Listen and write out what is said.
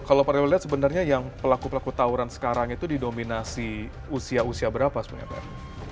kalau pak rewel lihat sebenarnya yang pelaku pelaku tawuran sekarang itu didominasi usia usia berapa sebenarnya pak